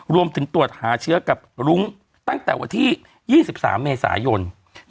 รวมถึงตรวจหาเชื้อกับรุ้งตั้งแต่วันที่๒๓เมษายน